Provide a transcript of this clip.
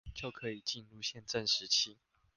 就可進入憲政時期